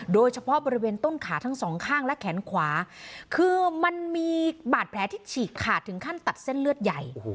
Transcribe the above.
โดยเฉพาะบริเวณต้นขาทั้งสองข้างและแขนขวาคือมันมีบาดแผลที่ฉีกขาดถึงขั้นตัดเส้นเลือดใหญ่